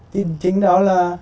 thì chính đó là